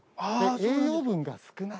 栄養分が少ない。